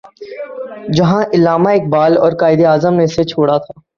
جہاں علامہ اقبال اور قائد اعظم نے اسے چھوڑا تھا۔